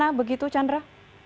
di mana begitu chandra